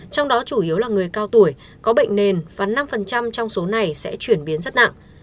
trong đó chủ yếu là người cao tuổi có bệnh nền và năm trong số này sẽ chuyển biến rất nặng